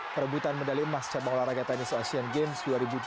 perebutan medali emas cabang olahraga tenis asian games dua ribu delapan belas